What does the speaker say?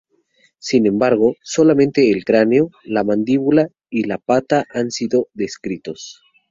Sin embargo, solamente el cráneo, la mandíbula y la pata han sido descritos.